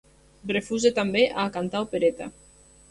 Refusa també a cantar opereta.